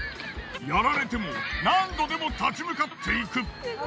やられても何度でも立ち向かっていく。